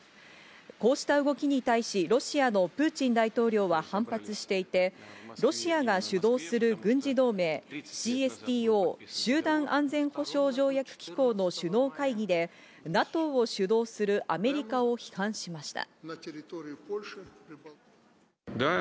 こうした動きに対し、ロシアのプーチン大統領は反発していて、ロシアが主導する軍事同盟、ＣＳＴＯ＝集団安全保障条約機構の首脳会議でＮＡＴＯを主導するアメリカを批判しました。